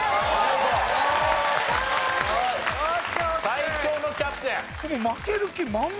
最強のキャプテン。